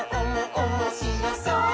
おもしろそう！」